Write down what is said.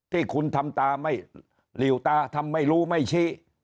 ที่คุณทำตาไม่หลิวตาทำไม่รู้ไม่ชี้